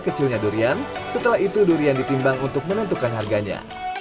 kecilnya durian setelah itu durian ditimbang untuk menentukan harganya